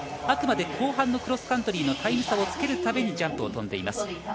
あくまで後半のクロスカントリーのタイム差をつけるためにジャンプを飛んでいます。